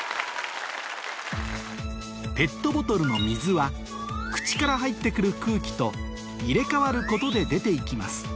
ペットボトルの水は口から入って来る空気と入れ替わることで出て行きます